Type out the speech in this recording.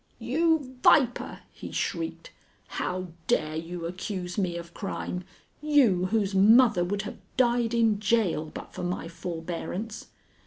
"You viper!" he shrieked. "How dare you accuse me of crime you whose mother would have died in jail but for my forbearance?